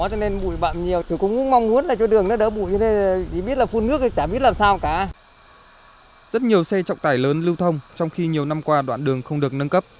rất nhiều xe trọng tải lớn lưu thông trong khi nhiều năm qua đoạn đường không được nâng cấp